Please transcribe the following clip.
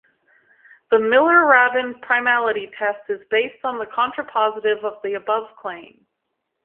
The Miller-Rabin primality test is based on the contrapositive of the above claim.